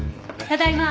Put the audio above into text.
ただいま！